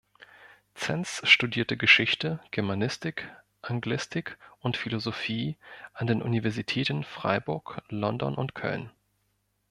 Zenz studierte Geschichte, Germanistik, Anglistik und Philosophie an den Universitäten Freiburg, London und Köln.